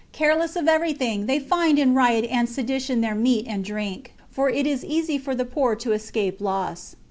Careless of everything, they find in riot and sedition their meat and drink, for it is easy for the poor to escape loss.